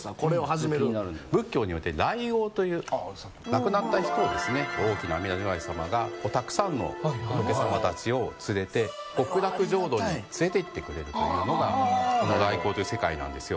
亡くなった人を大きな阿弥陀如来様がたくさんの仏さまたちを連れて極楽浄土に連れていってくれるというのがこの来迎という世界なんですよ。